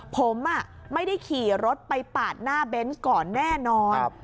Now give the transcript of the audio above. ผมไม่ได้ขี่รถไปปาดหน้าเบนส์ก่อนแน่นอน